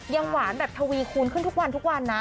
ยังหวานแบบทวีคูณขึ้นทุกวันนะ